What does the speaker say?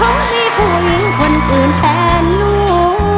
เพราะที่ผู้หญิงควรคุณแทนหนู